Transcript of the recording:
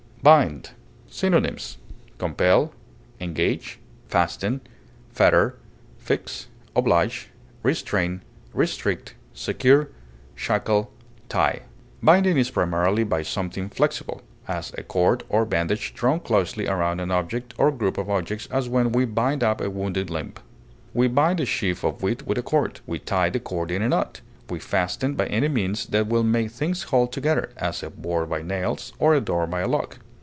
BIND. Synonyms: compel, fetter, oblige, restrict, shackle, engage, fix, restrain, secure, tie. fasten, Binding is primarily by something flexible, as a cord or bandage drawn closely around an object or group of objects, as when we bind up a wounded limb. We bind a sheaf of wheat with a cord; we tie the cord in a knot; we fasten by any means that will make things hold together, as a board by nails, or a door by a lock.